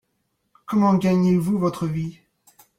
Comment gagnez-vous votre vie ?